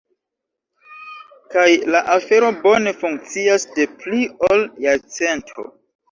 Kaj la afero bone funkcias de pli ol jarcento.